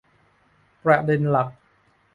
ประเด็นหลัก